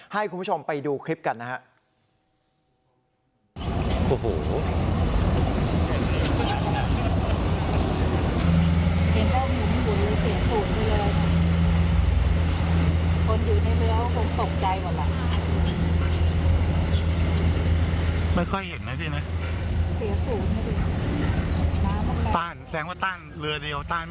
ให้คุณผู้ชมไปดูคลิปกันนะครับ